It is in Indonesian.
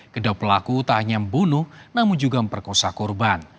kedua pelaku tak hanya membunuh namun juga memperkosa korban